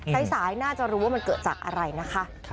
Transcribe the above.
สายน่าจะรู้ว่ามันเกิดจากอะไรนะคะ